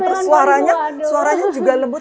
terus suaranya suaranya juga lembut